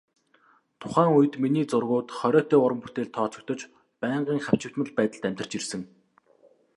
Тухайн үед миний зургууд хориотой уран бүтээлд тооцогдож, байнгын хавчигдмал байдалд амьдарч ирсэн.